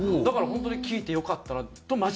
だから本当に聞いてよかったなと。